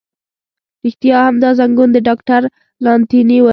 رښتیا هم، دا زنګون د ډاکټر ولانتیني و.